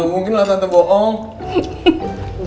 mungkin lah tante bohong